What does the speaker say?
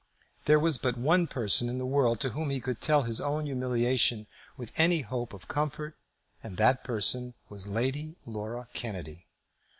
There was but one person in the world to whom he could tell his own humiliation with any hope of comfort, and that person was Lady Laura Kennedy.